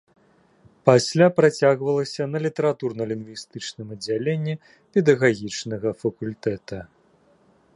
Пасля працягвалася на літаратурна-лінгвістычным аддзяленні педагагічнага факультэта.